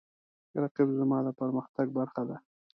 رقیب زما د پرمختګ برخه ده